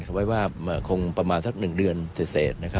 เข้าไปว่าคงประมาณสัก๑เดือนเศษ